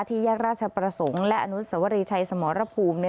แยกราชประสงค์และอนุสวรีชัยสมรภูมิ